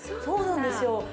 そうなんですよ。